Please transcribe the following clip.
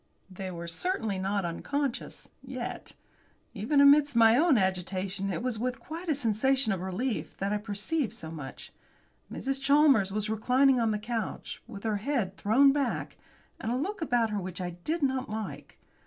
They were certainly not unconscious yet! Even amidst my own agitation it was with quite a sensation of relief that I perceived so much. Mrs. Chalmers was reclining on the couch, with her head thrown back, and a look about her which I did not like.